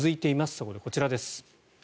そこで、こちらです。